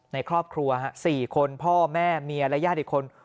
ในครอบครัว๔คนพ่อแม่เมียและญาติอีกคน